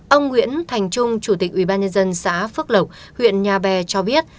ông nguyễn thành trung chủ tịch ubnd xã phước lộc huyện nhà bè cho biết